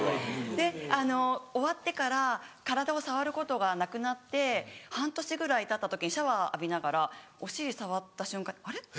終わってから体を触ることがなくなって半年ぐらいたった時にシャワー浴びながらお尻触った瞬間にあれ？